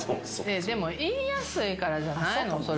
でも言いやすいからじゃないの？